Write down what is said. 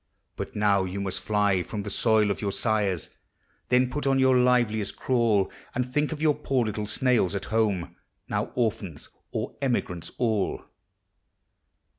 But now vou must fly from the soil of jour sires; Then put on your liveliest crawl, And think of your poor little snails at home, Now orphans or emigrants all.